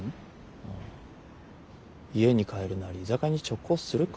家に帰るなり居酒屋に直行するか？